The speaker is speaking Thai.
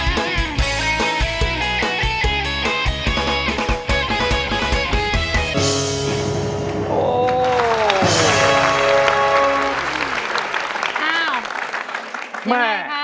ว้าวยังไงคะ